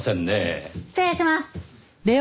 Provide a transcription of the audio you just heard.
失礼します。